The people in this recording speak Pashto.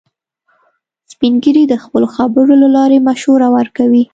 سپین ږیری د خپلو خبرو له لارې مشوره ورکوي